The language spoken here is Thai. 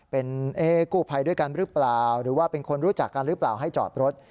เป็นกู้ภัยด้วยกันหรือเปล่าหรือว่าเป็นคนรู้จักกันหรือเปล่าให้จอดรถ